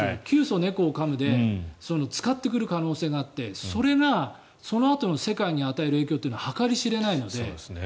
窮鼠猫をかむで使ってくる可能性があってそれがそのあとの世界に与える影響というのは計り知れないので。